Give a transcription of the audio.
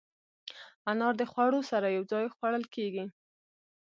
انار د خوړو سره یو ځای خوړل کېږي.